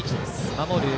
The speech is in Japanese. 守る